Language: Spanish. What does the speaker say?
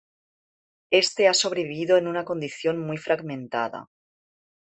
Este ha sobrevivido en una condición muy fragmentada.